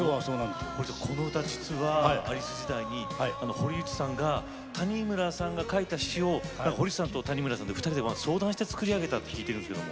この歌、実はアリス時代に堀内さんが谷村さんが書いた詞を堀内さん、谷村さんと２人で相談して作り上げたと聞いているんですけど。